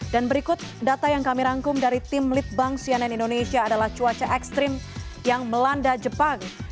dan berikut data yang kami rangkum dari tim litbang cnn indonesia adalah cuaca ekstrim yang melanda jepang